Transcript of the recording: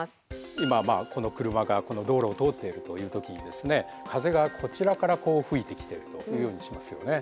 今まあこの車がこの道路を通っているという時にですね風がこちらからこう吹いてきているというようにしますよね。